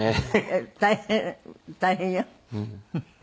大変大変よ。